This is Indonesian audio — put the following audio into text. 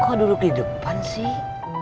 kok duduk di depan sih